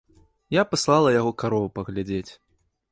Я паслала яго карову паглядзець.